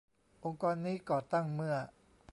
องค์กรนี้ก่อตั้งเมื่อ